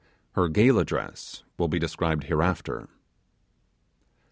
Her gala dress will be described hereafter.